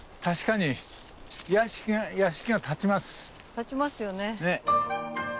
建ちますよね。